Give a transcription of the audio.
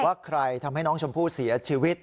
ว่าใครทำให้น้องชมพู่เสียชีวิต